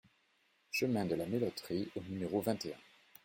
Chemin de la Melotterie au numéro vingt et un